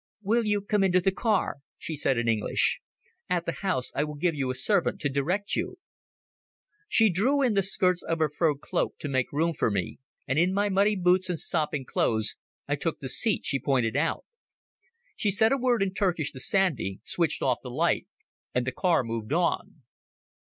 "Will you come into the car?" she said in English. "At the house I will give you a servant to direct you." She drew in the skirts of her fur cloak to make room for me, and in my muddy boots and sopping clothes I took the seat she pointed out. She said a word in Turkish to Sandy, switched off the light, and the car moved on.